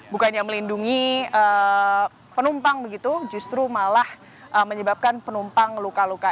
bukannya melindungi penumpang begitu justru malah menyebabkan penumpang luka luka